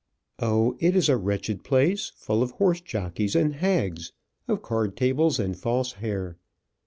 "Oh, it is a wretched place; full of horse jockeys and hags of card tables and false hair."